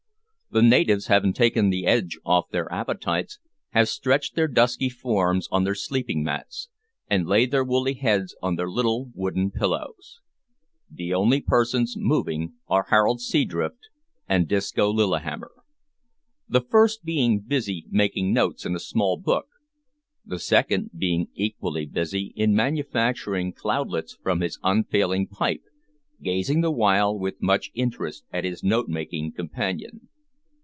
The natives, having taken the edge off their appetites, have stretched their dusky forms on their sleeping mats, and laid their woolly heads on their little wooden pillows. The only persons moving are Harold Seadrift and Disco Lillihammer the first being busy making notes in a small book, the second being equally busy in manufacturing cloudlets from his unfailing pipe, gazing the while with much interest at his note making companion.